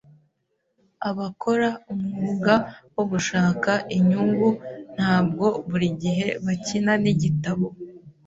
Abakora umwuga wo gushaka inyungu ntabwo buri gihe bakina nigitabo.